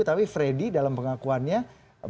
tapi freddy dalam pengakuannya mengatakan bahwa